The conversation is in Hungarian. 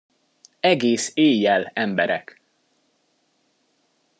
Egész éjjel, emberek!